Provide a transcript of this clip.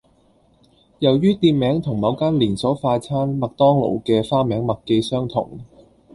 由於店名同某間連鎖快餐麥當勞嘅花名麥記相同